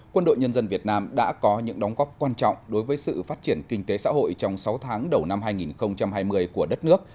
quân đội nhân dân việt nam đã có những đóng góp quan trọng đối với sự phát triển kinh tế xã hội trong sáu tháng đầu năm hai nghìn hai mươi của đất nước